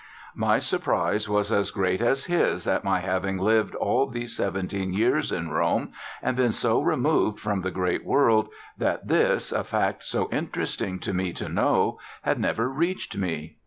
My surprise was as great as his at my having lived all those seventeen years in Rome and been so removed from the great world, that this, a fact so interesting to me to know, had never reached me.